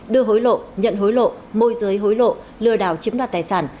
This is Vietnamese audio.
đưa hối lộ nhận hối lộ môi giới hối lộ lừa đảo chiếm đoạt tài sản